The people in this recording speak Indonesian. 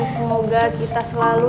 semoga kita selalu